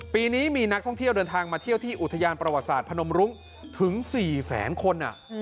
ปีนี้มีนักท่องเที่ยวเดินทางมาเที่ยวที่อุทยานประวัติศาสตร์พนมรุ้งถึง๔แสนคน